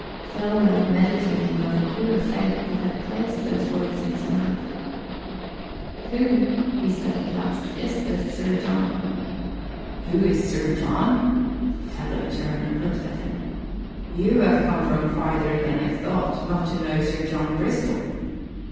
Phil lay meditating on the queer fate that had placed those words in his mouth. "Who," he said at last, "is this Sir John?" "'Who is Sir John?'" The fellow turned and looked at him. "You have come from farther than I thought, not to know Sir John Bristol."